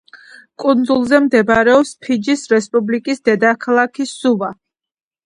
კუნძულზე მდებარეობს ფიჯის რესპუბლიკის დედაქალაქი სუვა.